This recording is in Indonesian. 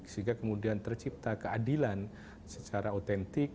sehingga kemudian tercipta keadilan secara otentik